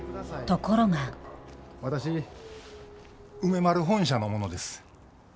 ところが私梅丸本社の者です。